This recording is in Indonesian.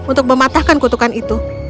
untuk mematahkan kutukan itu